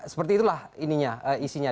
seperti itulah isinya